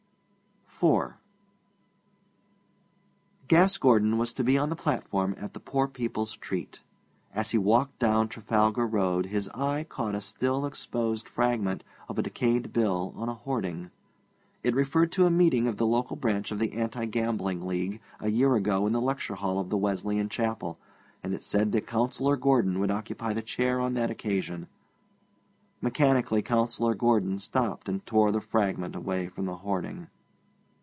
IV Gas Gordon was to be on the platform at the poor people's treat. As he walked down Trafalgar Road his eye caught a still exposed fragment of a decayed bill on a hoarding. It referred to a meeting of the local branch of the Anti Gambling League a year ago in the lecture hall of the Wesleyan Chapel, and it said that Councillor Gordon would occupy the chair on that occasion. Mechanically Councillor Gordon stopped and tore the fragment away from the hoarding.